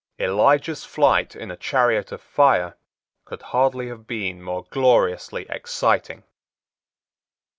Elijah's flight in a chariot of fire could hardly have been more gloriously exciting.